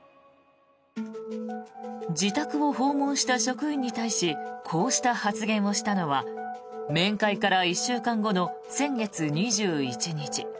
自宅を訪問した職員に対しこうした発言をしたのは面会から１週間後の先月２１日。